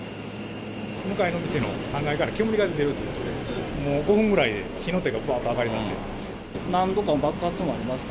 向かいの店の３階から煙が出ているということで、もう５分ぐらいで、火の手がぶわーっと上がりだした。